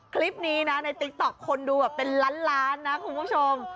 คลิปนี้นะในติ๊กต๊อกคนดูแบบเป็นล้านล้านนะคุณผู้ชม